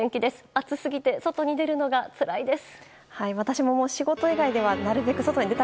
暑すぎて外に出るのがつらいです。